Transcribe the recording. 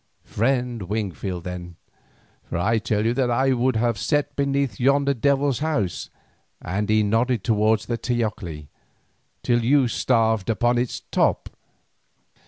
"Friend Wingfield then. For I tell you that I would have sat beneath yonder devil's house," and he nodded towards the teocalli, "till you starved upon its top.